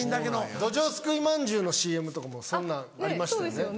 どじょう掬いまんじゅうのＣＭとかもそんなんありましたよね。